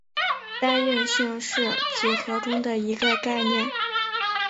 单应性是几何中的一个概念。